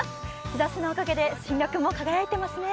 日ざしのおかげで輝いていますね。